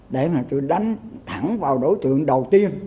để mà tôi đánh thẳng vào đối tượng đầu tiên